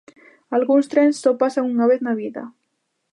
Algúns trens só pasan unha vez na vida